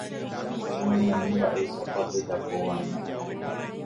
Pemañami mba'éichapa pejapova'erã